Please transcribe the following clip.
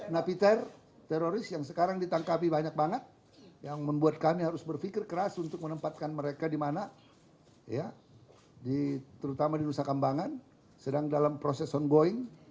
napiter teroris yang sekarang ditangkapi banyak banget yang membuat kami harus berpikir keras untuk menempatkan mereka di mana ya terutama di nusa kambangan sedang dalam proses ongoing